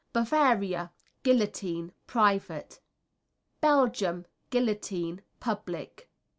Bavaria Guillotine, private. Belgium Guillotine, public.